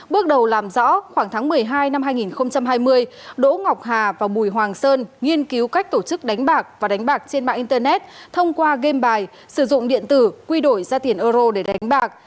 bước đầu làm rõ khoảng tháng một mươi hai năm hai nghìn hai mươi đỗ ngọc hà và bùi hoàng sơn nghiên cứu cách tổ chức đánh bạc và đánh bạc trên mạng internet thông qua game bài sử dụng điện tử quy đổi ra tiền euro để đánh bạc